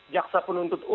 jaksa penuntut umum